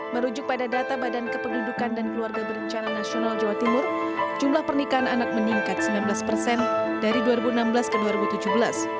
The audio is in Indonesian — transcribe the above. merujuk pada data badan kependudukan dan keluarga berencana nasional jawa timur jumlah pernikahan anak meningkat sembilan belas persen dari dua ribu enam belas ke dua ribu tujuh belas